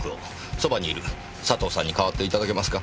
そばにいる佐藤さんに代わっていただけますか。